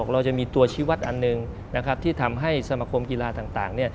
เราจะมีตัวชีวัตรอันหนึ่งที่ทำให้สมคมกีฬาต่าง